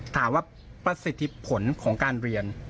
ถามว่าประสิทธิผลของการเรียน